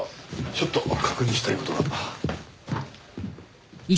ちょっと確認したい事が。